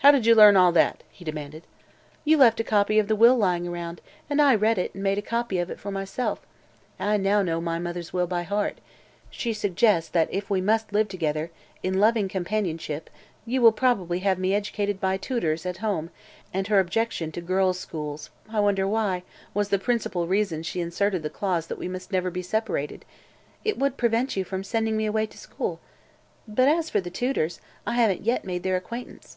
"How did you learn all that?" he demanded. "You left a copy of the will lying around, and I read it and made a copy of it for myself. I now know my mother's will by heart. She suggests that if we must live together, 'in loving companionship,' you will probably have me educated by tutors, at home, and her objection to girls' schools I wonder why? was the principal reason she inserted the clause that we must never be separated. It would prevent you from sending me away to school. But as for the tutors, I haven't yet made their acquaintance."